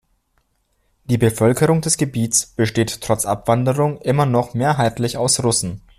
Die Bevölkerung des Gebiets besteht trotz Abwanderung immer noch mehrheitlich aus Russen.